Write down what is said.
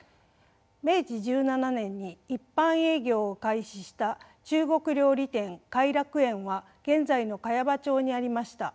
明治１７年に一般営業を開始した中国料理店偕楽園は現在の茅場町にありました。